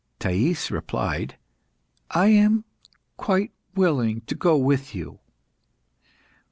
Thais replied "I am quite willing to go with you."